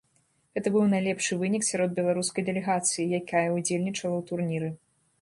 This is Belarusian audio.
Гэта быў найлепшы вынік сярод беларускай дэлегацыі, якая ўдзельнічала ў турніры.